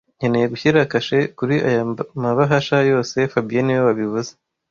Nkeneye gushyira kashe kuri aya mabahasha yose fabien niwe wabivuze